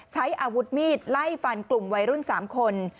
ใช้อาวุธมีดไล่ฟันกลุ่มวัยรุ่น๓คน